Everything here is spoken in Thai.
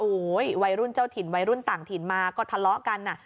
โอ้โหวัยรุ่นเจ้าถิ่นวัยรุ่นต่างถิ่นมาก็ทะเลาะกัน